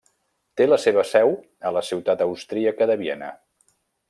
Té la seva seu a la ciutat austríaca de Viena.